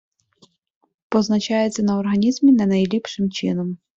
Позначається на організмі не найліпшим чином.